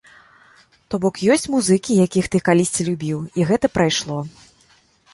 То бок, ёсць музыкі, якіх ты калісьці любіў, і гэта прайшло.